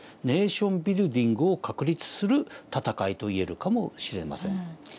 ネーションビルディングを確立する戦いと言えるかもしれません。